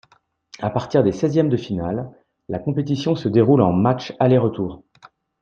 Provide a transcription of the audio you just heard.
À partir des seizièmes de finale, la compétition se déroule en matchs aller-retour.